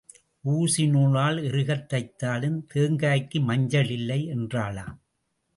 ஊசி நூலால் இறுகத் தைத்தாலும் தேங்காய்க்கு மஞ்சள் இல்லை என்றாளாம்.